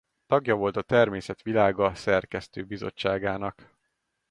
Tagja volt a Természet Világa szerkesztőbizottságának.